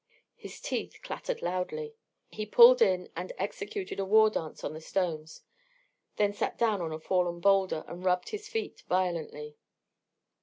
His teeth clattered loudly. He pulled in and executed a war dance on the stones, then sat down on a fallen boulder and rubbed his feet violently.